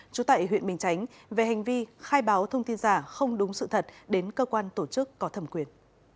trú tại huyện bình chánh về hành vi khai báo thông tin giả không đúng sự thật đến cơ quan tổ chức có thẩm quyền